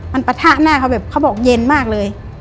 มันปะทะหน้าเขาแบบเขาบอกเย็นมากเลย